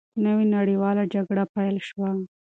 نوې نړیواله جګړه پیل شوه.